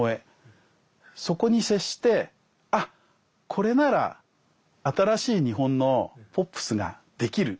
そこに接して「あっこれなら新しい日本のポップスができる」